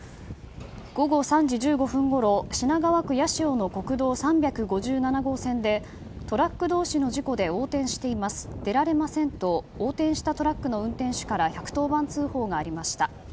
午後３時１５分ごろ品川区の国道３５７号線でトラック同士の事故で横転しています、出られませんと横転したトラックの運転手から１１０番通報がありました。